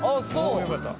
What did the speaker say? およかった。